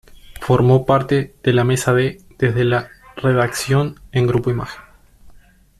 Formó parte de la mesa de "Desde la Redacción" en Grupo Imagen.